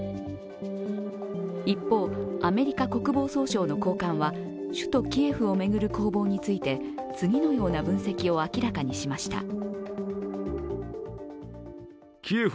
一方、アメリカ国防総省の高官は首都キエフを巡る攻防について次のような分析を明らかにしました。